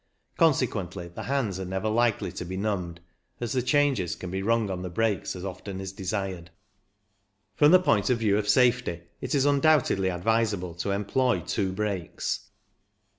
Conse quently the hands are never likely to be numbed, as the changes can be rung on the brakes as often as is desired. PURELY MECHANICAL 227 , From the point of view of safety it is undoubtedly advisable to employ two brakes.